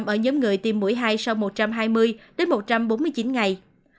ở nhóm người tiêm mũi hai sau một trăm hai mươi đến một trăm bốn mươi chín ngày